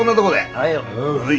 はい。